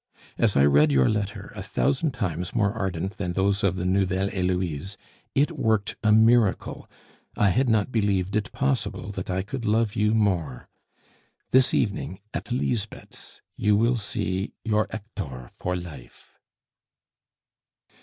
As I read your letter, a thousand times more ardent than those of the Nouvelle Heloise, it worked a miracle! I had not believed it possible that I could love you more. This evening, at Lisbeth's you will see "YOUR HECTOR, FOR LIFE."